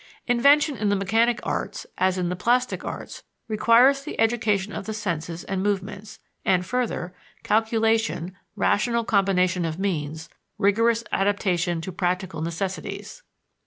Invention in the mechanic arts, as in the plastic arts, requires the education of the senses and movements; and, further, calculation, rational combination of means, rigorous adaptation to practical necessities.